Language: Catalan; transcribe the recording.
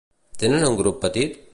Tenen un grup petit?